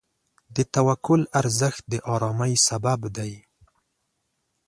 د توکل ارزښت د آرامۍ سبب دی.